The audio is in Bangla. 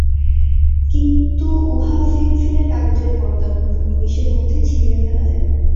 কিন্তু উহা ফিন-ফিনে কাগজের পর্দার মত, নিমিষের মধ্যে ছিঁড়িয়া ফেলা যায়।